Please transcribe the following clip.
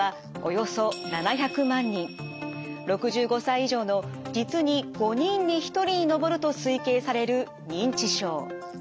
６５歳以上の実に５人に１人に上ると推計される認知症。